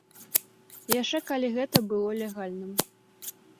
Яшчэ калі гэта было легальным.